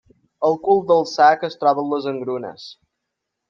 Al cul del sac es troben les engrunes.